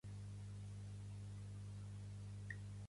Li hauré de cobrar unes multes per la gestió.